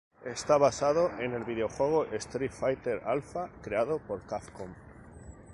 Está basado en el videojuego Street Fighter Alpha creado por Capcom.